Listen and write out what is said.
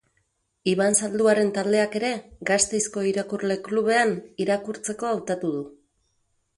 Iban Zalduaren taldeak ere, Gasteizko Irakurle Klubean, irakurtzeko hautatu du.